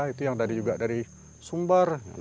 itu juga dari sumbar